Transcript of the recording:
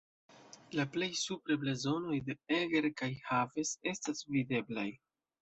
La plej supre blazonoj de Eger kaj Heves estas videblaj.